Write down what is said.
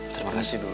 terima kasih dulu